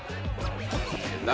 何？